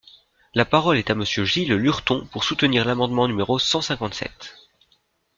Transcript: La parole est à Monsieur Gilles Lurton, pour soutenir l’amendement numéro cent cinquante-sept.